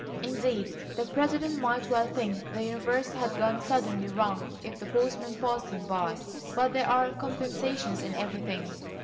Indeed, the President might well think the universe had gone suddenly wrong if the postman passed him by, but there are compensations in everything.